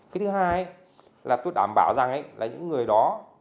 cái thứ hai là tôi đảm bảo rằng là những người đó